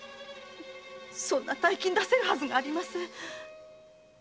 そんな大金出せるはずがありません。